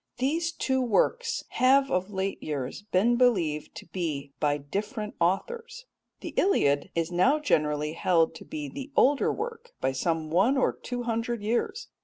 These two works have of late years been believed to be by different authors. The Iliad is now generally held to be the older work by some one or two hundred years.